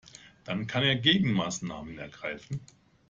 Dann kann er Gegenmaßnahmen ergreifen.